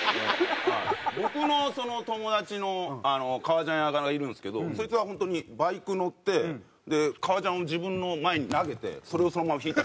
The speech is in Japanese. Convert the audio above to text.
僕の友達の革ジャン屋がいるんですけどそいつは本当にバイク乗って革ジャンを自分の前に投げてそれをそのままひいたり。